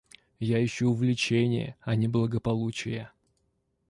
Я ищу увлечения, а не благополучия.